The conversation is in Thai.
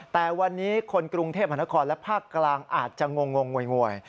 แต่วันนี้คนกรุงเทพมหานครและภาคกลางอาจจะงงงวย